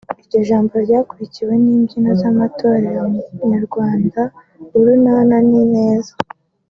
Iryo jambo ryakurikiwe n’imbyino z’amatorero Nyarwanda ‘Urunana n’’Ineza’